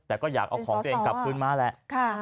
แต่ก็อยากเอาของตัวเองกลับคืนมาแหละ